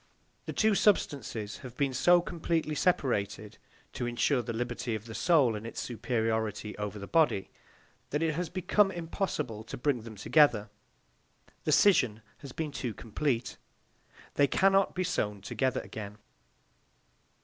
The two substances have been so completely separated, to insure the liberty of the soul and its superiority over the body, that it has become impossible to bring them together. The scission has been too complete. They cannot be sewn together again.